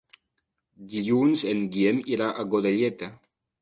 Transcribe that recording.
Dilluns en Guillem irà a Godelleta.